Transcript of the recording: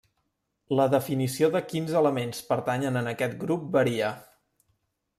La definició de quins elements pertanyen en aquest grup varia.